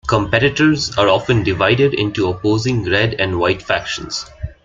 Competitors are often divided into opposing red and white factions.